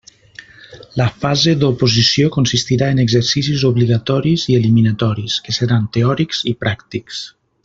La fase d'oposició consistirà en exercicis obligatoris i eliminatoris, que seran teòrics i pràctics.